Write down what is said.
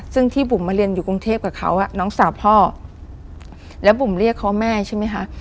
ซึ่งที่บุ๋มมาเรียนอยู่กรุงเทพกับเขาน้องสาวพ่อแล้วบุ๋มเรียกเขาแม่ใช่ไหมคะ